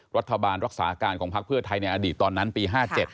รัฐบาลรักษาการของพักเพื่อไทยในอดีตตอนนั้นปี๕๗